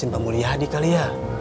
bersin pemuli adit kali ya